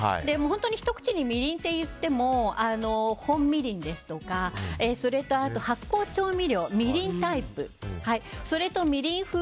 本当にひと口にみりんといっても本みりんですとかそれと発酵調味料みりんタイプそれと、みりん風